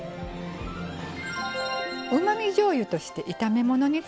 うまみじょうゆとして炒め物に使います。